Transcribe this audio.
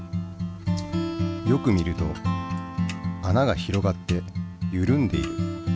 よく見るとあなが広がってゆるんでいる。